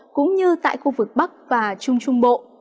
cũng như tại khu vực bắc và trung trung bộ